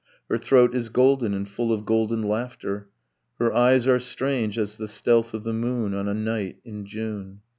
Her throat is golden and full of golden laughter, Her eyes are strange as the stealth of the moon On a night in June